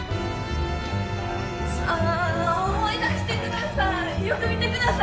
あ思い出してください！